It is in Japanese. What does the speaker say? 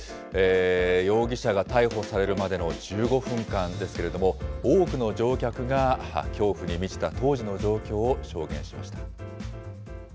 容疑者が逮捕されるまでの１５分間ですけれども、多くの乗客が恐怖に満ちた当時の状況を証言しました。